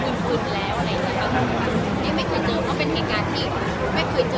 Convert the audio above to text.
ช่องความหล่อของพี่ต้องการอันนี้นะครับ